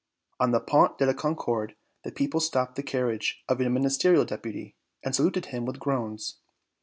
On the Pont de la Concorde the people stopped the carriage of a Ministerial Deputy and saluted him with groans.